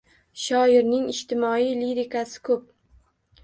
Shoirning ijtimoiy lirikasi ko‘p.